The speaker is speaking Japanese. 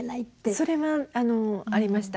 それはありました。